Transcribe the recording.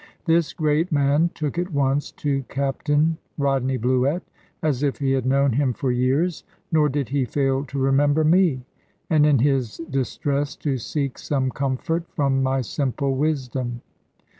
This great man took at once to Captain Rodney Bluett, as if he had known him for years; nor did he fail to remember me, and in his distress to seek some comfort from my simple wisdom.